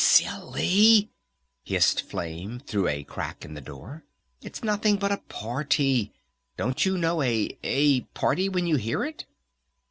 _" "Sil ly!" hissed Flame through a crack in the door. "It's nothing but a party! Don't you know a a party when you hear it?"